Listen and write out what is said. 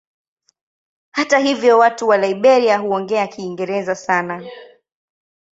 Hata hivyo watu wa Liberia huongea Kiingereza sana.